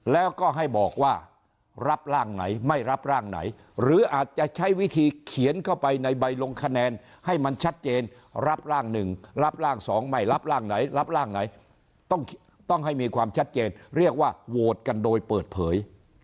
แล้วก็ให้บอกว่ารับร่างไหนไม่รับร่างไหนหรืออาจจะใช้วิธีเขียนเข้าไปในใบลงคะแนนให้มันชัดเจนรับร่างหนึ่งรับร่างสองไม่รับร่างไหนรับร่างไหนต้องให้มีความชัดเจนเรียกว่าโหวตกันโดยเปิดเผย